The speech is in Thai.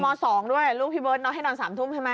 มีอย่างม๒ด้วยลูกพี่เบิศน่าให้นอน๓ทุ่มใช่ไหม